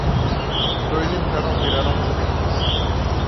Dois internos viraram residentes